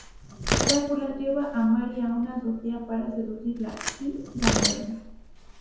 Drácula lleva a Mary a una azotea para seducirla, y la muerde.